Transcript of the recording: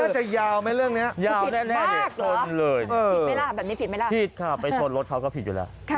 ถ้าเอาไปชนรถเขาก็ผิดอยู่แล้ว